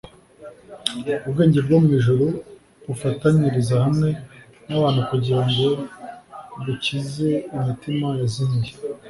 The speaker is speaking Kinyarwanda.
Ubw'enge bwo mu ijuru bufataniriza hamwe n'abantu kugira ngo bukize imitima yazimiye.